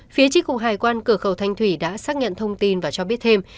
phía tri cục hải quan cửa khẩu thanh thủy đã xác nhận thông tin và cho biết thêm